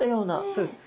そうです。